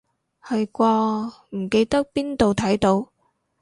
係啩，唔記得邊度睇到